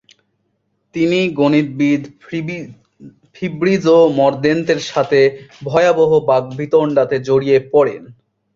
তিনি গণিতবিদ ফিব্রিজো মরদেন্তের সাথে ভয়াবহ বাকবিতণ্ডাতে জড়িয়ে পড়েন।